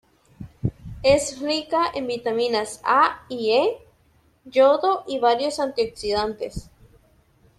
Es rica en vitaminas A y E, yodo y varios antioxidantes.